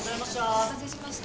お待たせしました。